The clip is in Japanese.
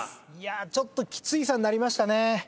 ちょっときつい差になりましたね。